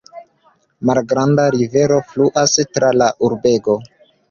Malgranda rivero fluas tra la urbego.